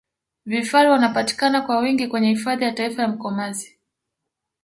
vifaru wanapatikana kwa wingi kwenye hifadhi ya taifa ya mkomazi